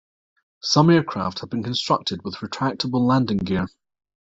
Some aircraft have been constructed with retractable landing gear.